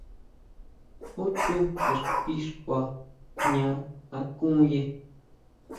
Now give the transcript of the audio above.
¿Jú tsú ixtixkua jña akuye?